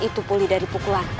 itu pulih dari pukulanku